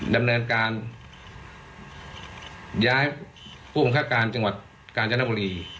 ดำเนินการย้ายผู้บังคับการจังหวัดกาญจนบุรี